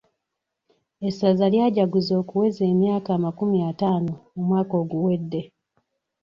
Essaza lyajaguza okuweza emyaka amakumi ataano omwaka oguwedde.